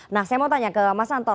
nah saya mau tanya ke mas anto